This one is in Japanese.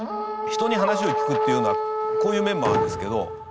人に話を聞くっていうのはこういう面もあるんですけど。